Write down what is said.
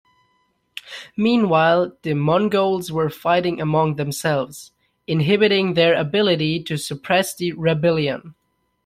Meanwhile, the Mongols were fighting among themselves, inhibiting their ability to suppress the rebellion.